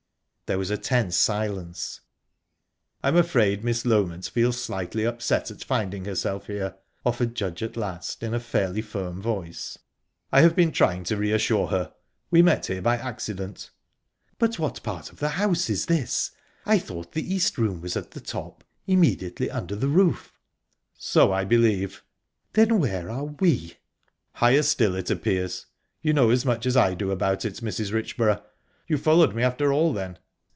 There was a tense silence. "I'm afraid Miss Loment feels slightly upset at finding herself here," offered Judge at last, in a fairly firm voice. "I have been trying to reassure her. We met here by accident." "But what part of the house is this? I thought the East Room was at the top, immediately under the roof?" "So I believe." "Then where are we?" "Higher still, it appears. You know as much as I do about it, Mrs. Richborough...You followed me after all, then?"